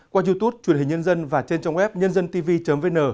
qua youtube truyền hình nhân dân và trên trang web nhân dân tv vn